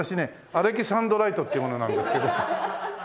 アレキサンドライトっていう者なんですけど。